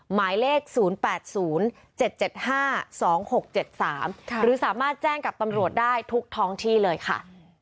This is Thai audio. หมายเลข๐๘๐๗๗๕๒๖๗๓หรือสามารถแจ้งกับตำรวจได้ทุกท้องที่เลยค่ะ